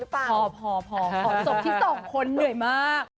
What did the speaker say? ฝากตลอดค่ะ